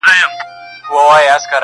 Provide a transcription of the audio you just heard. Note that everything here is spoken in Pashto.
یو پر تا مین یم له هر یار سره مي نه لګي!